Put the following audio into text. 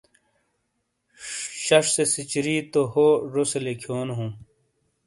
شش سے سیچری تو ہو ژوسے لیکھیونو ہوں۔